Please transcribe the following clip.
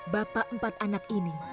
bapak empat anak ini